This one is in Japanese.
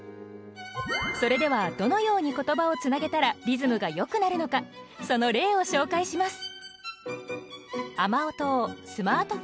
それではどのように言葉をつなげたらリズムがよくなるのかその例を紹介します。